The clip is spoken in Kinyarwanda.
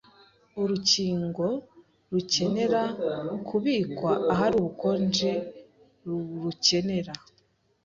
Urukingo rukenera kubikwa ahari ubukonje rukenera